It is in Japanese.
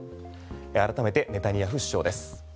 改めてネタニヤフ首相です。